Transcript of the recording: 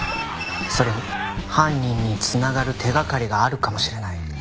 それに犯人に繋がる手掛かりがあるかもしれない。